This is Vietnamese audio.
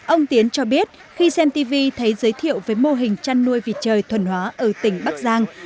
ông tiến cho biết khi xem tv thấy giới thiệu về mô hình chăn nuôi vịt trời thuần hóa ở tỉnh bắc giang